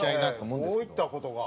どういった事が？